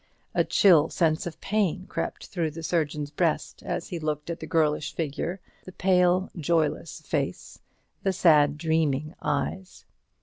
A chill sense of pain crept through the surgeon's breast as he looked at the girlish figure, the pale joyless face, the sad dreaming eyes.